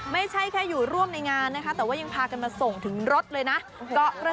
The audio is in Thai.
ไม่ใช่แค่อยู่ร่วมในงานนะคะแต่ว่ายังพากันมาส่งถึงรถเลยนะ